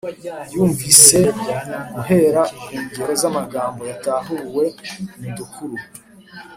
yumvise; -guhera ku ngero z’amagambo yatahuwe mu dukuru,